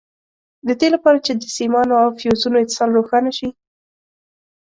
د دې لپاره چې د سیمانو او فیوزونو اتصال روښانه شي.